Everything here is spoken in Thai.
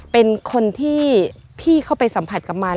เป็นคนที่พี่เข้าไปสัมผัสกับมัน